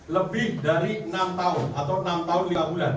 lebih dari enam tahun atau enam tahun lima bulan